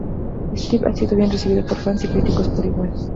Steven ha sido bien recibido por fans y críticos por igual.